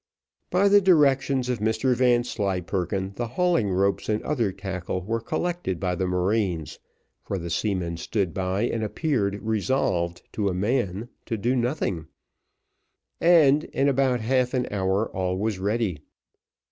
By the directions of Mr Vanslyperken, the hauling ropes and other tackle were collected by the marines, for the seamen stood by, and appeared resolved, to a man, to do nothing, and, in about half an hour, all was ready.